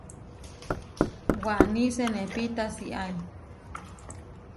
Waní senepí tasiái.